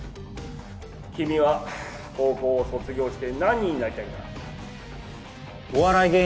君は高校を卒業して何になりたいんだ？